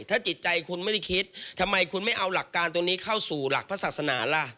ถ้าจิตใจคุณไม่ได้คิดทำไมคุณไม่เอาหลักการตรงนี้เข้าสู่หลักพระศาสนาล่ะ